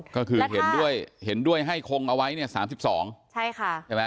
ก็คือเห็นด้วยให้คงเอาไว้เนี่ย๓๒ใช่ค่ะ